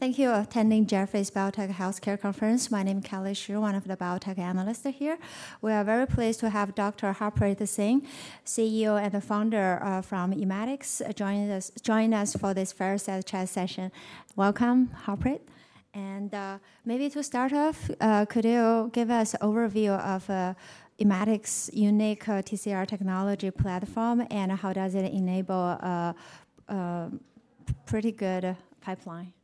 ...Thank you attending Jefferies Biotech Healthcare Conference. My name is Kelly Xu, one of the biotech analysts here. We are very pleased to have Dr. Harpreet Singh, CEO and the founder from Immatics, joining us for this fireside chat session. Welcome, Harpreet, and maybe to start off, could you give us overview of Immatics unique TCR technology platform, and how does it enable pretty good pipeline?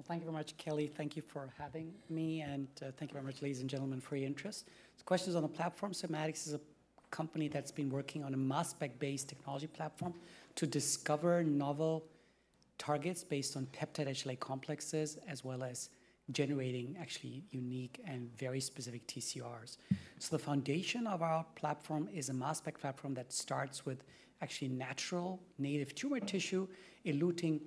Well, thank you very much, Kelly. Thank you for having me, and thank you very much, ladies and gentlemen, for your interest. The questions on the platform, so Immatics is a company that's been working on a mass spec-based technology platform to discover novel targets based on peptide-HLA complexes, as well as generating actually unique and very specific TCRs. So the foundation of our platform is a mass spec platform that starts with actually natural native tumor tissue, eluting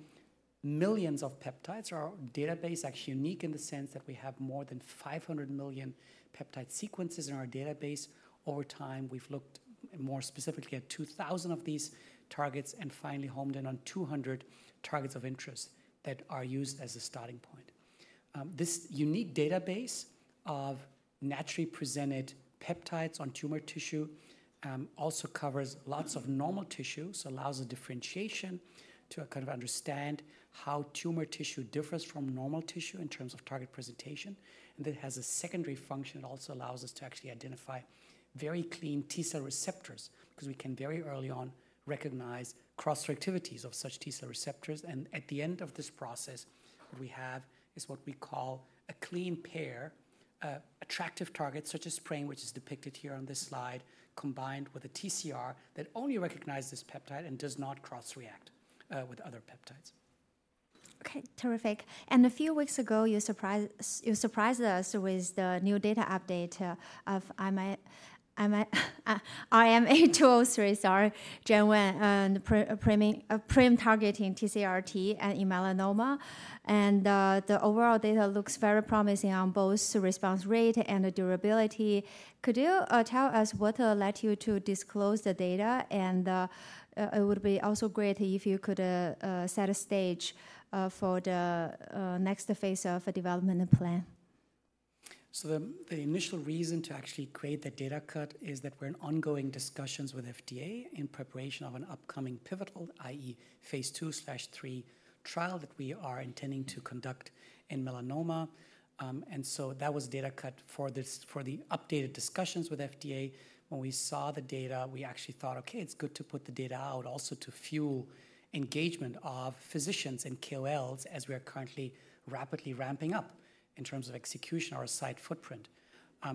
millions of peptides. Our database is actually unique in the sense that we have more than 500 million peptide sequences in our database. Over time, we've looked more specifically at 2,000 of these targets and finally homed in on 200 targets of interest that are used as a starting point. This unique database of naturally presented peptides on tumor tissue also covers lots of normal tissue, so allows a differentiation to kind of understand how tumor tissue differs from normal tissue in terms of target presentation. It has a secondary function. It also allows us to actually identify very clean T cell receptors, 'cause we can very early on recognize cross-reactivities of such T cell receptors, and at the end of this process, what we have is what we call a clean pair, attractive targets such as PRIME, which is depicted here on this slide, combined with a TCR that only recognizes peptide and does not cross-react with other peptides. Okay, terrific. And a few weeks ago, you surprised us with the new data update of IMA203, sorry, Gen One, and PRAME targeting TCR-T in melanoma and the overall data looks very promising on both response rate and the durability. Could you tell us what led you to disclose the data? And it would also be great if you could set a stage for the next phase of a development plan. So the initial reason to actually create the data cut is that we're in ongoing discussions with FDA in preparation of an upcoming pivotal, i.e., phase II/III trial that we are intending to conduct in melanoma. And so that was data cut for this for the updated discussions with FDA. When we saw the data, we actually thought, "Okay, it's good to put the data out," also to fuel engagement of physicians and KOLs as we are currently rapidly ramping up in terms of execution or site footprint.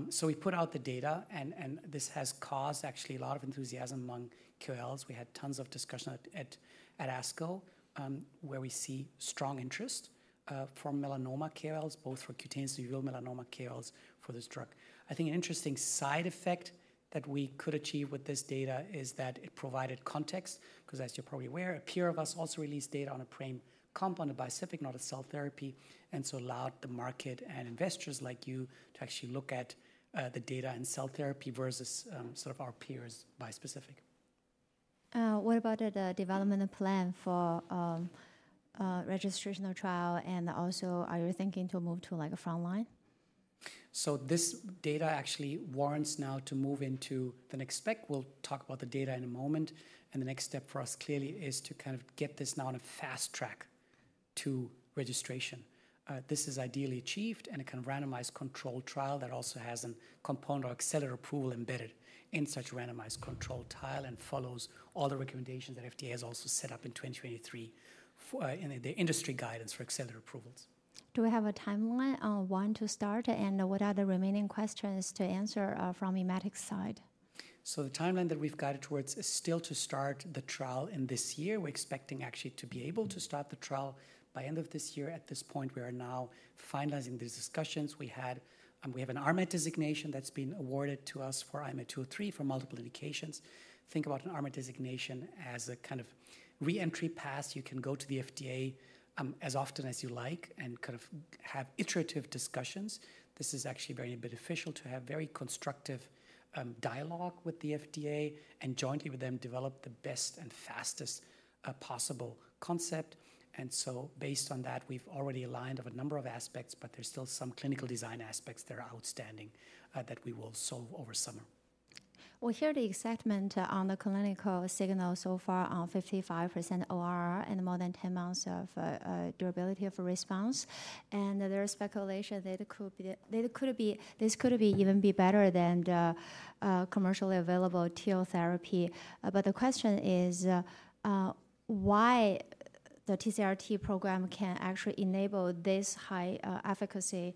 So we put out the data and, and this has caused actually a lot of enthusiasm among KOLs. We had tons of discussion at ASCO, where we see strong interest from melanoma KOLs, both for cutaneous and uveal melanoma KOLs for this drug. I think an interesting side effect that we could achieve with this data is that it provided context, 'cause as you're probably aware, a peer of us also released data on a PRAME compound, a bispecific, not a cell therapy, and so allowed the market and investors like you to actually look at, the data in cell therapy versus, sort of our peers' bispecific. What about the development plan for registrational trial, and also, are you thinking to move to, like, a front line? So this data actually warrants now to move into the next spec. We'll talk about the data in a moment, and the next step for us, clearly, is to kind of get this now on a fast track to registration. This is ideally achieved in a kind of randomized controlled trial that also has a component or accelerated approval embedded in such randomized controlled trial and follows all the recommendations that FDA has also set up in 2023 for, in the industry guidance for accelerated approvals. Do we have a timeline on when to start, and what are the remaining questions to answer, from Immatics side? So the timeline that we've guided towards is still to start the trial in this year. We're expecting actually to be able to start the trial by end of this year. At this point, we are now finalizing these discussions. We had, we have a RMAT designation that's been awarded to us for IMA203 for multiple indications. Think about a RMAT designation as a kind of re-entry pass. You can go to the FDA, as often as you like and kind of have iterative discussions. This is actually very beneficial to have very constructive, dialogue with the FDA and jointly with them, develop the best and fastest, possible concept. And so based on that, we've already aligned of a number of aspects, but there's still some clinical design aspects that are outstanding, that we will solve over summer. We hear the excitement on the clinical signal so far on 55% OR and more than 10 months of durability of response, and there is speculation that it could be even better than the commercially available TIL therapy. But the question is, why the TCR-T program can actually enable this high efficacy,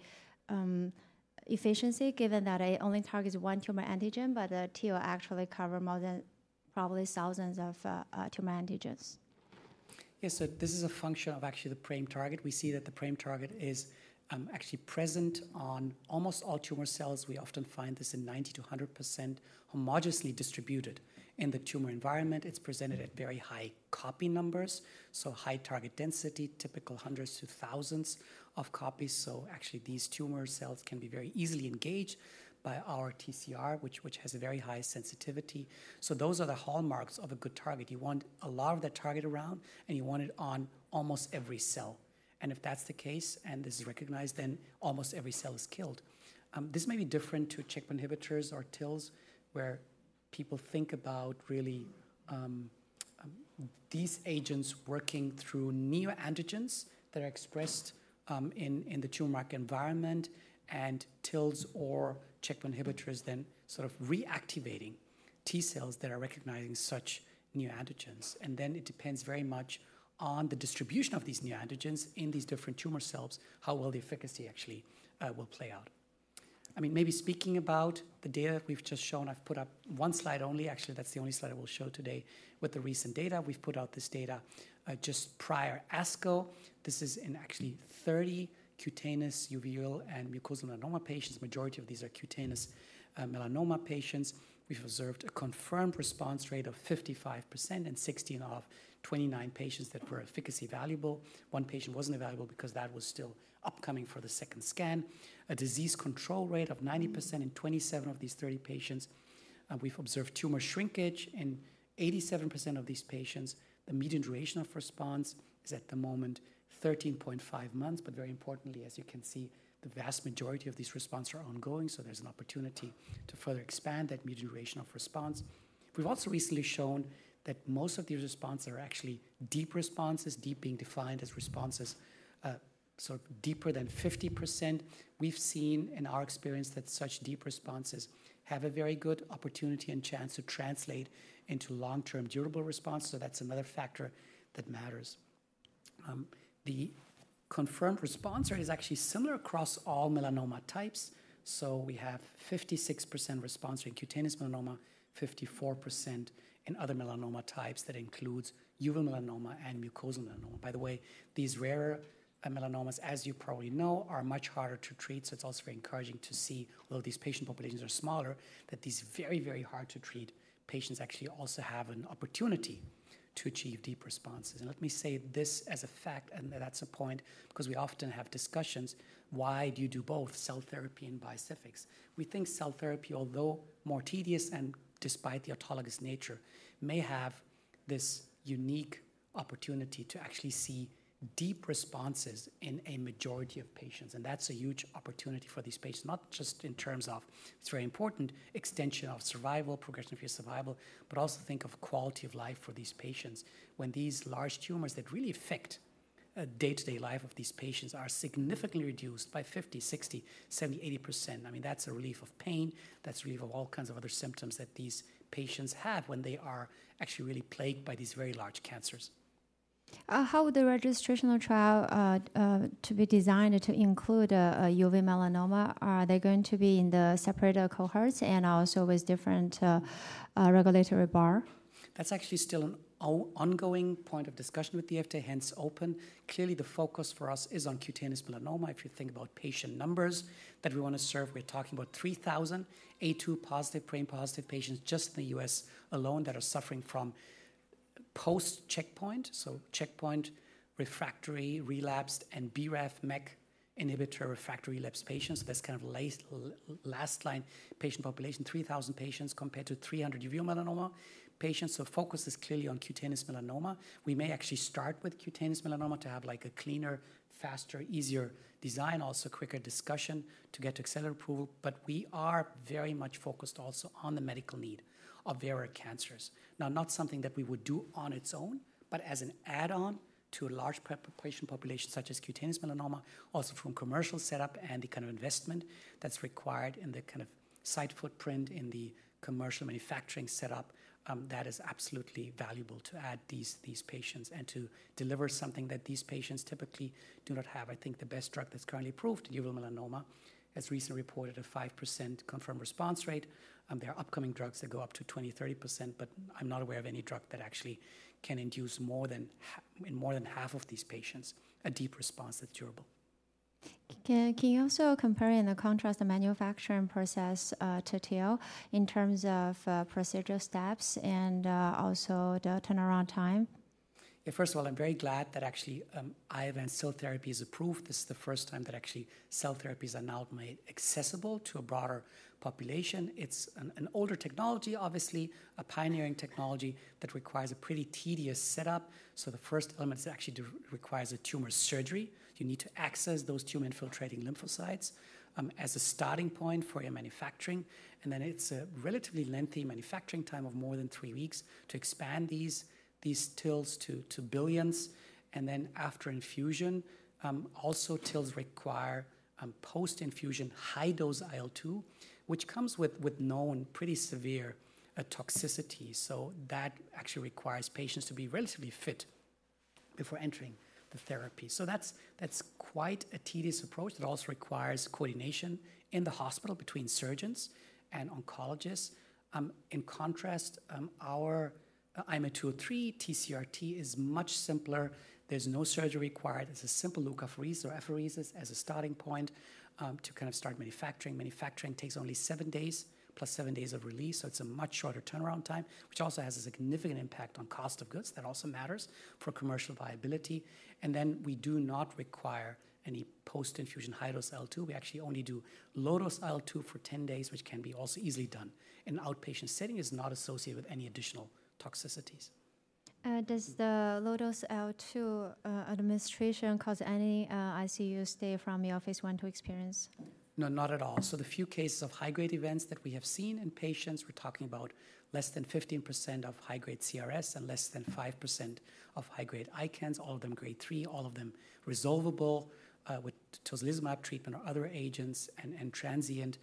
efficiency, given that it only targets one tumor antigen, but the TIL actually cover more than probably thousands of tumor antigens? Yes, so this is a function of actually the PRAME target. We see that the PRAME target is actually present on almost all tumor cells. We often find this in 90%-100% homogeneously distributed. In the tumor environment, it's presented at very high copy numbers, so high target density, typical hundreds to thousands of copies, so actually these tumor cells can be very easily engaged by our TCR, which has a very high sensitivity. So those are the hallmarks of a good target. You want a lot of that target around, and you want it on almost every cell, and if that's the case, and this is recognized, then almost every cell is killed. This may be different to checkpoint inhibitors or TILs, where people think about really, these agents working through neo-antigens that are expressed, in, in the tumor microenvironment and TILs or checkpoint inhibitors, then sort of reactivating T cells that are recognizing such neo-antigens. And then it depends very much on the distribution of these neo-antigens in these different tumor cells, how well the efficacy actually will play out. I mean, maybe speaking about the data that we've just shown, I've put up one slide only. Actually, that's the only slide I will show today with the recent data. We've put out this data just prior ASCO. This is in actually 30 cutaneous, uveal, and mucosal melanoma patients. Majority of these are cutaneous melanoma patients. We've observed a confirmed response rate of 55% in 16 of 29 patients that were efficacy evaluable. One patient wasn't evaluable because that was still upcoming for the second scan. A disease control rate of 90% in 27 of these 30 patients. We've observed tumor shrinkage in 87% of these patients. The median duration of response is, at the moment, 13.5 months, but very importantly, as you can see, the vast majority of these response are ongoing, so there's an opportunity to further expand that median duration of response. We've also recently shown that most of these response are actually deep responses, deep being defined as responses, sort of deeper than 50%. We've seen in our experience that such deep responses have a very good opportunity and chance to translate into long-term durable response, so that's another factor that matters. The confirmed response rate is actually similar across all melanoma types. So we have 56% response rate in cutaneous melanoma, 54% in other melanoma types. That includes uveal melanoma and mucosal melanoma. By the way, these rarer melanomas, as you probably know, are much harder to treat, so it's also very encouraging to see, although these patient populations are smaller, that these very, very hard to treat patients actually also have an opportunity to achieve deep responses. And let me say this as a fact, and that's a point because we often have discussions: Why do you do both cell therapy and bispecifics? We think cell therapy, although more tedious and despite the autologous nature, may have this unique opportunity to actually see deep responses in a majority of patients, and that's a huge opportunity for these patients, not just in terms of it's very important extension of survival, progression-free survival, but also think of quality of life for these patients. When these large tumors that really affect day-to-day life of these patients are significantly reduced by 50%, 60%, 70%, 80%, I mean, that's a relief of pain. That's relief of all kinds of other symptoms that these patients have when they are actually really plagued by these very large cancers. How would the registrational trial to be designed to include uveal melanoma? Are they going to be in the separate cohorts and also with different regulatory bar? That's actually still an ongoing point of discussion with the FDA, hence open. Clearly, the focus for us is on cutaneous melanoma. If you think about patient numbers that we want to serve, we're talking about 3,000 A2 positive, BRAF positive patients just in the U.S alone that are suffering from post-checkpoint, so checkpoint, refractory, relapsed, and BRAF/MEK inhibitor, refractory, relapsed patients. That's kind of last line patient population, 3,000 patients compared to 300 uveal melanoma patients. So focus is clearly on cutaneous melanoma. We may actually start with cutaneous melanoma to have like a cleaner, faster, easier design, also quicker discussion to get to accelerated approval. But we are very much focused also on the medical need of rarer cancers. Now, not something that we would do on its own, but as an add-on to a large prep patient population such as cutaneous melanoma, also from commercial setup and the kind of investment that's required and the kind of site footprint in the commercial manufacturing setup, that is absolutely valuable to add these, these patients and to deliver something that these patients typically do not have. I think the best drug that's currently approved uveal melanoma has recently reported a 5% confirmed response rate, there are upcoming drugs that go up to 20%, 30%, but I'm not aware of any drug that actually can induce more than in more than half of these patients, a deep response that's durable. Can you also compare and contrast the manufacturing process to TIL in terms of procedural steps and also the turnaround time? Yeah, first of all, I'm very glad that actually IV cell therapy is approved. This is the first time that actually cell therapies are now made accessible to a broader population. It's an older technology, obviously, a pioneering technology that requires a pretty tedious setup. So the first element actually requires a tumor surgery. You need to access those tumor-infiltrating lymphocytes as a starting point for your manufacturing, and then it's a relatively lengthy manufacturing time of more than 3 weeks to expand these TILs to billions. And then after infusion, also TILs require post-infusion high-dose IL-2, which comes with known pretty severe toxicity. So that actually requires patients to be relatively fit before entering the therapy. So that's quite a tedious approach. It also requires coordination in the hospital between surgeons and oncologists. In contrast, our IMA203 TCR-T is much simpler. There's no surgery required. There's a simple leukapheresis or apheresis as a starting point, to kind of start manufacturing. Manufacturing takes only 7 days, plus 7 days of release, so it's a much shorter turnaround time, which also has a significant impact on cost of goods. That also matters for commercial viability. And then we do not require any post-infusion high-dose IL-2. We actually only do low-dose IL-2 for 10 days, which can be also easily done. An outpatient setting is not associated with any additional toxicities.... does the low-dose IL-2 administration cause any ICU stay from your phase I/II experience? No, not at all. So the few cases of high-grade events that we have seen in patients, we're talking about less than 15% of high-grade CRS and less than 5% of high-grade ICANS, all of them grade 3, all of them resolvable with tocilizumab treatment or other agents and transient.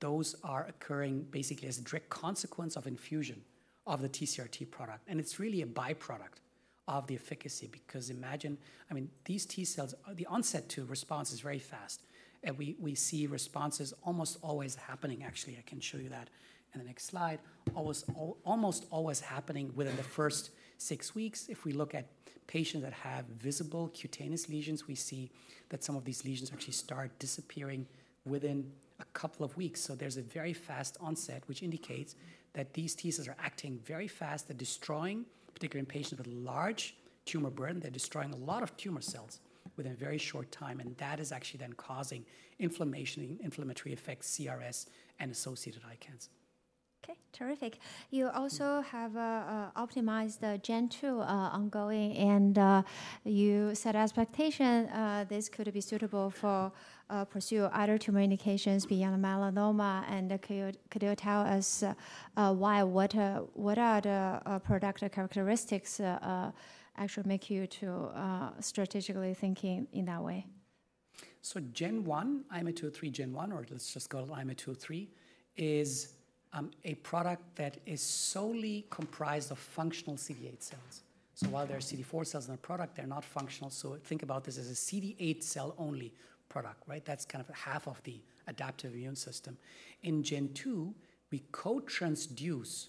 Those are occurring basically as a direct consequence of infusion of the TCR-T product, and it's really a byproduct of the efficacy. Because imagine, I mean, these T cells, the onset to response is very fast, and we see responses almost always happening. Actually, I can show you that in the next slide. Almost always happening within the first 6 weeks. If we look at patients that have visible cutaneous lesions, we see that some of these lesions actually start disappearing within a couple of weeks. So there's a very fast onset, which indicates that these T cells are acting very fast. They're destroying, particularly in patients with large tumor burden, they're destroying a lot of tumor cells within a very short time, and that is actually then causing inflammation, inflammatory effects, CRS, and associated ICANS. Okay, terrific. You also have optimized the Gen 2 ongoing, and you said expectation this could be suitable for pursue other tumor indications beyond melanoma. And could you tell us why? What are the product characteristics actually make you to strategically thinking in that way? Gen 1, IMA203 Gen 1, or let's just call it IMA203, is a product that is solely comprised of functional CD8 cells. So while there are CD4 cells in the product, they're not functional, so think about this as a CD8 cell-only product, right? That's kind of half of the adaptive immune system. In Gen 2, we co-transduce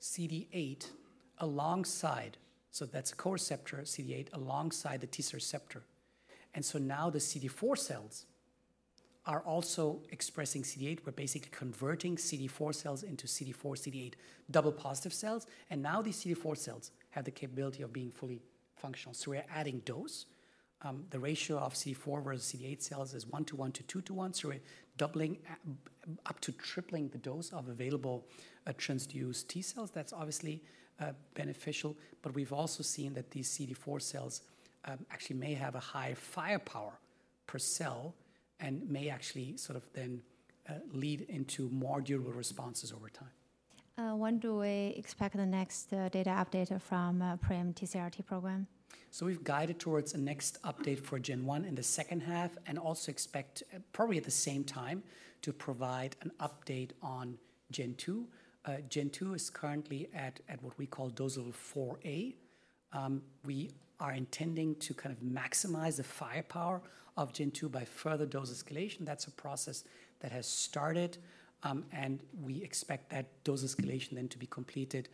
CD8 alongside, so that's a coreceptor CD8 alongside the T cell receptor. And so now the CD4 cells are also expressing CD8. We're basically converting CD4 cells into CD4/CD8 double positive cells, and now these CD4 cells have the capability of being fully functional. So we are adding dose. The ratio of CD4 versus CD8 cells is 1:1 to 2:1, so we're doubling up to tripling the dose of available transduced T cells. That's obviously beneficial. But we've also seen that these CD4 cells actually may have a high firepower per cell and may actually sort of then lead into more durable responses over time. When do we expect the next data update from PRAME TCR-T program? So we've guided towards a next update for Gen 1 in the H2, and also expect, probably at the same time, to provide an update on Gen 2. Gen 2 is currently at what we call dose level 4A. We are intending to kind of maximize the firepower of Gen 2 by further dose escalation. That's a process that has started, and we expect that dose escalation then to be completed,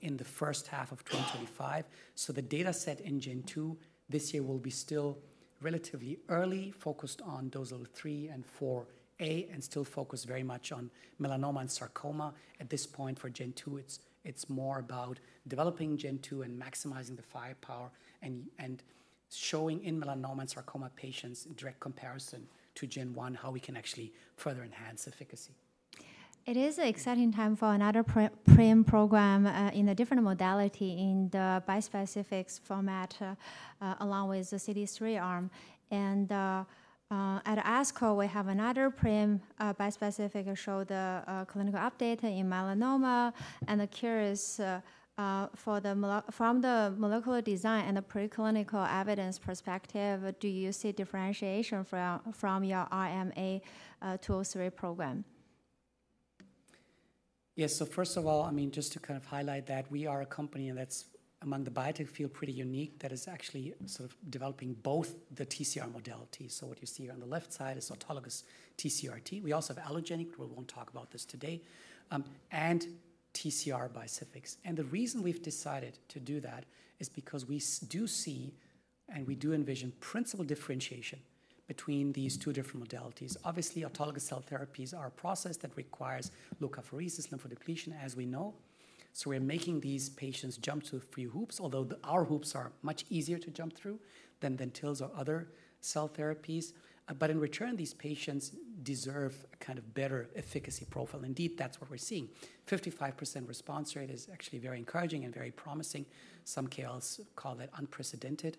in the H1 of 2025. So the data set in Gen 2 this year will be still relatively early, focused on dose level 3 and 4A, and still focused very much on melanoma and sarcoma. At this point, for Gen 2, it's more about developing Gen 2 and maximizing the firepower and showing in melanoma and sarcoma patients in direct comparison to Gen 1, how we can actually further enhance efficacy. It is an exciting time for another PRIME program in a different modality in the bispecifics format along with the CD3 arm. And at ASCO, we have another PRIME bispecific showing the clinical update in melanoma. And I'm curious, from the molecular design and the preclinical evidence perspective, do you see differentiation from your IMA203 program? Yes. So first of all, I mean, just to kind of highlight that we are a company that's among the biotech field, pretty unique, that is actually sort of developing both the TCR modalities. So what you see on the left side is autologous TCR-T. We also have allogeneic, but we won't talk about this today, and TCR bispecifics. And the reason we've decided to do that is because we do see, and we do envision principal differentiation between these two different modalities. Obviously, autologous cell therapies are a process that requires leukapheresis lymphodepletion, as we know. So we're making these patients jump through a few hoops, although our hoops are much easier to jump through than TILs or other cell therapies. But in return, these patients deserve a kind of better efficacy profile. Indeed, that's what we're seeing. 55% response rate is actually very encouraging and very promising. Some colleagues call it unprecedented.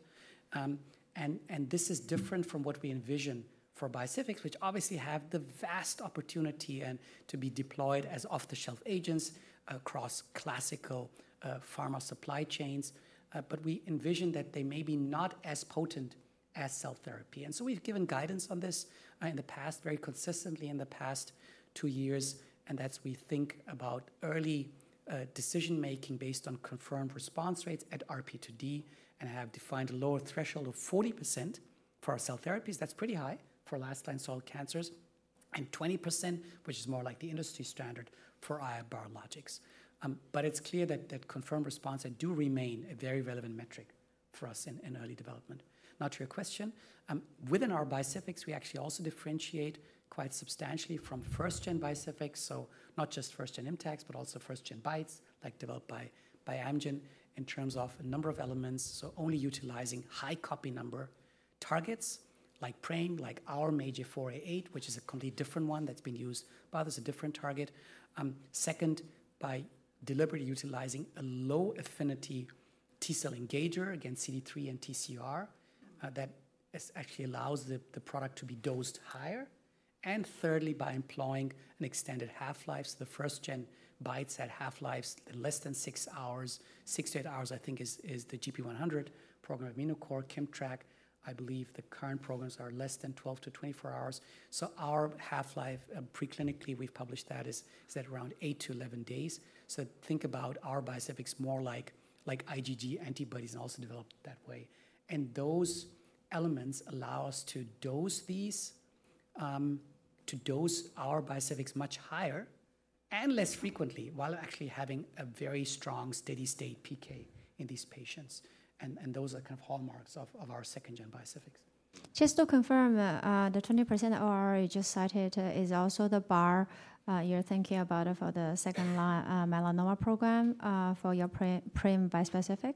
And this is different from what we envision for bispecifics, which obviously have the vast opportunity and to be deployed as off-the-shelf agents across classical pharma supply chains. But we envision that they may be not as potent as cell therapy, and so we've given guidance on this in the past, very consistently in the past two years, and that's we think about early decision making based on confirmed response rates at RP2D and have defined a lower threshold of 40% for our cell therapies. That's pretty high for last line solid cancers, and 20%, which is more like the industry standard for biologics. But it's clear that confirmed response do remain a very relevant metric for us in early development. Now to your question, within our bispecifics, we actually also differentiate quite substantially from first-gen bispecifics. So not just first-gen ImmTAC, but also first-gen BiTE like developed by Amgen, in terms of a number of elements, so only utilizing high copy number targets like PRAME, like our MAGE-A4/A8, which is a completely different one that's been used by others, a different target. Second, by deliberately utilizing a low-affinity T-cell engager against CD3 and TCR, that is actually allows the product to be dosed higher. And thirdly, by employing an extended half-life, so the first-gen BiTEs had half-lives less than 6 hours. 6-8 hours, I think, is the gp100 program Immunocore KIMMTRAK. I believe the current programs are less than 12-24 hours. So our half-life, preclinically, we've published that, is at around 8-11 days. So think about our bispecifics more like IgG antibodies and also developed that way. And those elements allow us to dose these, to dose our bispecifics much higher and less frequently, while actually having a very strong, steady-state PK in these patients, and those are kind of hallmarks of our second-gen bispecifics. Just to confirm, the 20% OR you just cited is also the bar you're thinking about for the second line melanoma program for your PRIME bispecific?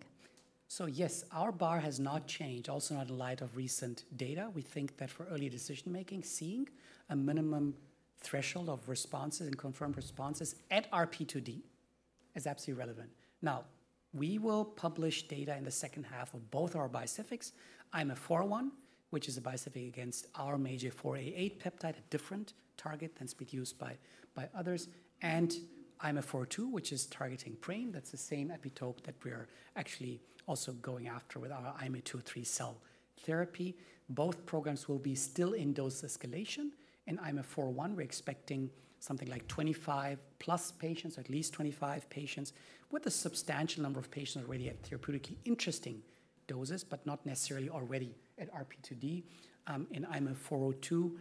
So yes, our bar has not changed, also not in light of recent data. We think that for early decision-making, seeing a minimum threshold of responses and confirmed responses at RP2D is absolutely relevant. Now, we will publish data in the H2 of both our bispecifics. IMA401, which is a bispecific against our MAGE-A4 and MAGE-A8 peptide, a different target that's been used by, by others. And IMA402, which is targeting PRAME, that's the same epitope that we're actually also going after with our IMA203 cell therapy. Both programs will be still in dose escalation. In IMA401, we're expecting something like 25+ patients, or at least 25 patients, with a substantial number of patients already at therapeutically interesting doses, but not necessarily already at RP2D. In IMA402,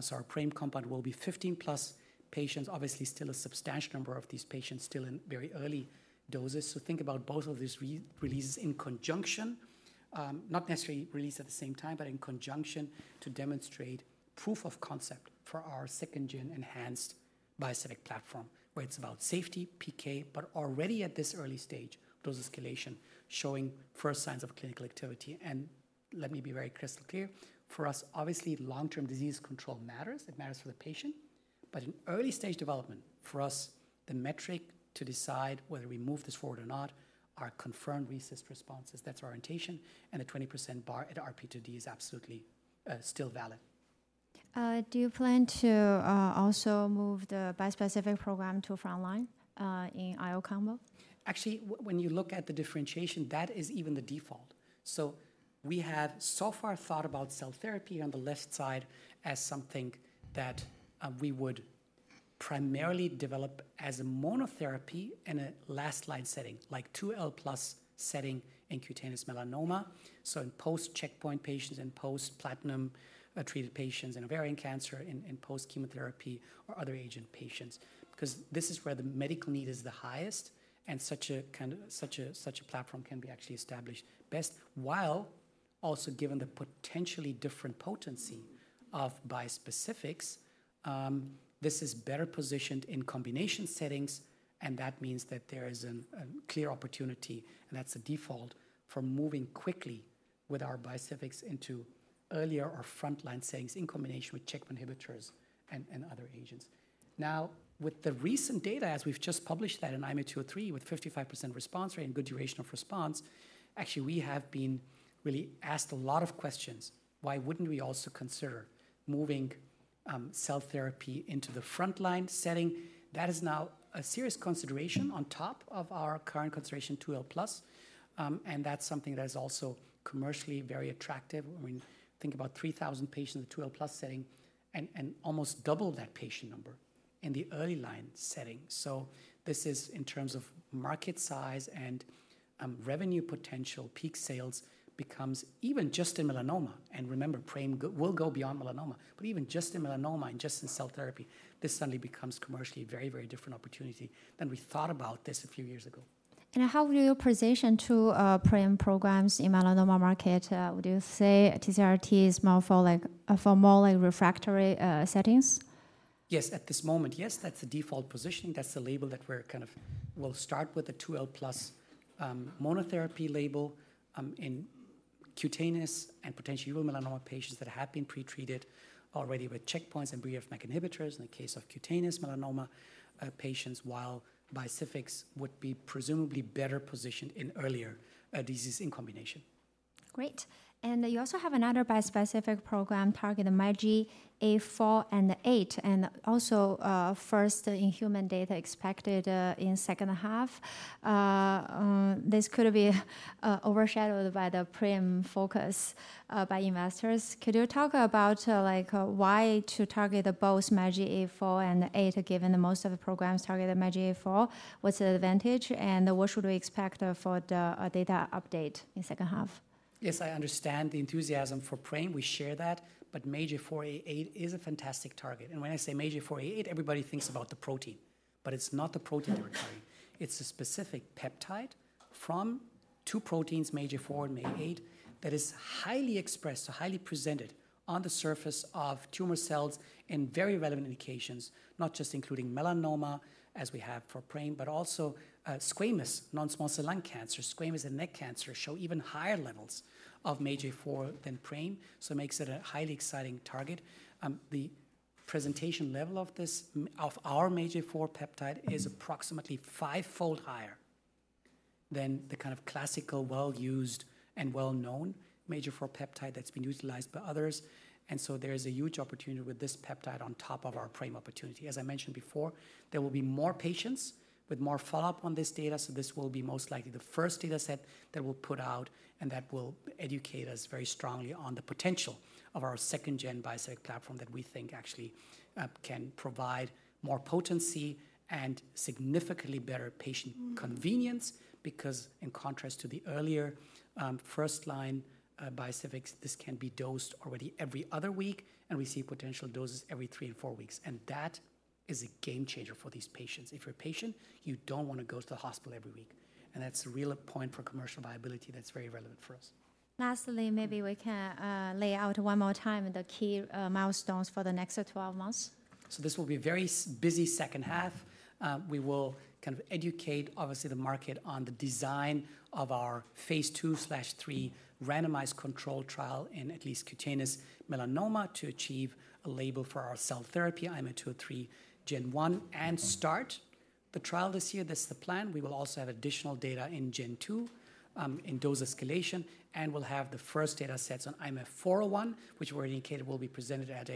so our PRAME compound will be 15+ patients, obviously still a substantial number of these patients still in very early doses. So think about both of these releases in conjunction, not necessarily released at the same time, but in conjunction to demonstrate proof of concept for our second-gen enhanced bispecific platform, where it's about safety, PK, but already at this early stage, dose escalation, showing first signs of clinical activity. And let me be very crystal clear: for us, obviously, long-term disease control matters. It matters for the patient. But in early-stage development, for us, the metric to decide whether we move this forward or not are confirmed RECIST responses. That's our orientation, and a 20% bar at RP2D is absolutely, still valid. Do you plan to also move the bispecific program to frontline in IO combo? Actually, when you look at the differentiation, that is even the default. So we have so far thought about cell therapy on the left side as something that, we would primarily develop as a monotherapy in a last line setting, like 2L+ setting in cutaneous melanoma. So in post-checkpoint patients and post-platinum-treated patients in ovarian cancer, in post-chemotherapy or other agent patients. 'Cause this is where the medical need is the highest, and such a platform can be actually established best, while also given the potentially different potency of bispecifics, this is better positioned in combination settings, and that means that there is a clear opportunity, and that's the default for moving quickly with our bispecifics into earlier or frontline settings in combination with checkpoint inhibitors and other agents. Now, with the recent data, as we've just published that in IMA203, with 55% response rate and good durable response, actually, we have been really asked a lot of questions. Why wouldn't we also consider moving cell therapy into the frontline setting? That is now a serious consideration on top of our current consideration 2L plus, and that's something that is also commercially very attractive. I mean, think about 3,000 patients in the 2L plus setting and almost double that patient number in the early line setting. So this is in terms of market size and, revenue potential, peak sales becomes, even just in melanoma, and remember, PRAME will go beyond melanoma, but even just in melanoma and just in cell therapy, this suddenly becomes commercially a very, very different opportunity than we thought about this a few years ago. How will you position two PRAME programs in melanoma market? Would you say TCR-T is more for like, for more like refractory settings? Yes. At this moment, yes, that's the default positioning. That's the label that we're kind of, we'll start with the 2L plus monotherapy label in cutaneous and potentially uveal melanoma patients that have been pretreated already with checkpoints and BRAF MEK inhibitors in the case of cutaneous melanoma patients, while bispecifics would be presumably better positioned in earlier disease in combination. Great. And you also have another bispecific program targeting MAGE-A4 and A8, and also, first-in-human data expected in H2. This could be overshadowed by the PRAME focus by investors. Could you talk about, like, why to target both MAGE-A4 and A8, given that most of the programs target MAGE-A4? What's the advantage, and what should we expect for the data update in H2? Yes, I understand the enthusiasm for PRAME. We share that, but MAGE-A4 A8 is a fantastic target. When I say MAGE-A4 A*08, everybody thinks about the protein, but it's not the protein we're targeting. It's a specific peptide from two proteins, MAGE-A4 and MAGE-A8, that is highly expressed or highly presented on the surface of tumor cells in very relevant indications, not just including melanoma, as we have for PRAME, but also, squamous non-small cell lung cancer. Squamous and neck cancer show even higher levels of MAGE-A4 than PRAME, so it makes it a highly exciting target. The presentation level of this of our MAGE-A4 peptide is approximately fivefold higher than the kind of classical, well-used, and well-known MAGE-A4 peptide that's been utilized by others. So there is a huge opportunity with this peptide on top of our PRAME opportunity. As I mentioned before, there will be more patients with more follow-up on this data, so this will be most likely the first data set that we'll put out, and that will educate us very strongly on the potential of our second gen bispecific platform that we think actually can provide more potency and significantly better patient convenience. Because in contrast to the earlier first line bispecifics, this can be dosed already every other week, and we see potential doses every three and four weeks, and that is a game changer for these patients. If you're a patient, you don't want to go to the hospital every week, and that's a real point for commercial viability that's very relevant for us. Lastly, maybe we can lay out one more time the key milestones for the next 12 months. So this will be a very busy H2. We will kind of educate, obviously, the market on the design of our phase II/III randomized controlled trial in at least cutaneous melanoma to achieve a label for our cell therapy, IMA203 Gen 1, and start the trial this year. This is the plan. We will also have additional data in Gen 2, in dose escalation, and we'll have the first data sets on IMA401, which we indicated will be presented at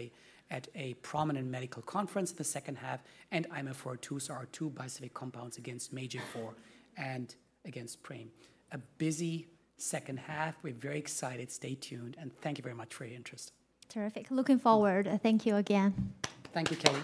a prominent medical conference in the H2, and IMA402. So our two bispecific compounds against MAGE-A4 and against PRAME. A busy H2. We're very excited. Stay tuned, and thank you very much for your interest. Terrific. Looking forward. Thank you again. Thank you, Kelly.